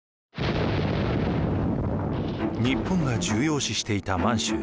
日本が重要視していた満州。